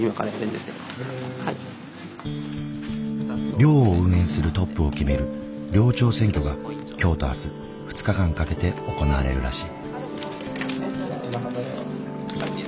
寮を運営するトップを決める寮長選挙が今日と明日２日間かけて行われるらしい。